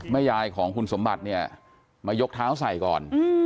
แม่ยายของคุณสมบัติมายกเท้าใส่ก่อน